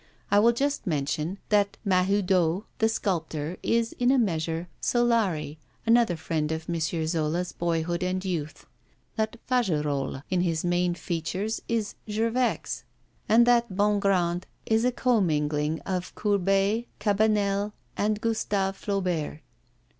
I will just mention that Mahoudeau, the sculptor, is, in a measure, Solari, another friend of M. Zola's boyhood and youth; that Fagerolles, in his main features, is Gervex; and that Bongrand is a commingling of Courbet, Cabanel and Gustave Flaubert.